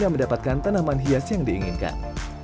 dan mendapatkan tanaman hias yang diinginkan